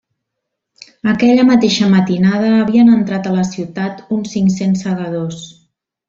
Aquella mateixa matinada havien entrat a la ciutat uns cinc-cents segadors.